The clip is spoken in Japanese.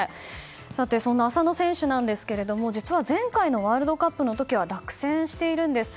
そんな浅野選手ですけども実は前回のワールドカップでは落選しているんです。